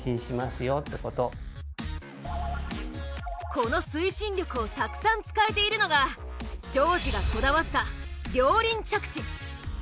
この推進力をたくさん使えているのが丈司がこだわった「両輪着地」。